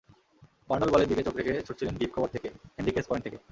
Burns বলের দিকে চোখ রেখে ছুটছিলেন ডিপ কভার থেকে, হেনরিকেস পয়েন্ট থেকে।